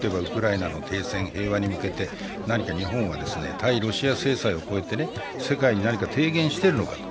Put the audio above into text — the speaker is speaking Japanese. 例えばウクライナの停戦、平和に向けて何か日本は対ロシア制裁を超えて世界に何か提言しているのかと。